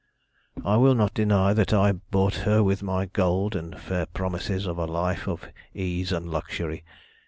"I will not deny that I bought her with my gold and fair promises of a life of ease and luxury.